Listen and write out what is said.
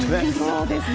そうですね。